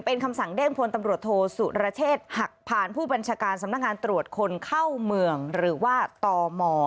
เป็นคำสั่งเด้งพลตำรวจโทษสุรเชษฐ์หักผ่านผู้บัญชาการสำนักงานตรวจคนเข้าเมืองหรือว่าตม